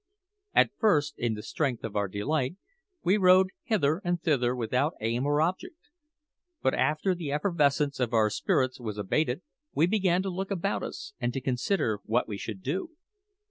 At first, in the strength of our delight, we rowed hither and thither without aim or object. But after the effervescence of our spirits was abated, we began to look about us and to consider what we should do.